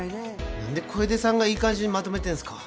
何で小出さんがいい感じにまとめてんすか。